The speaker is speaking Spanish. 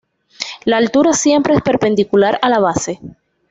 La altura siempre es perpendicular a la base.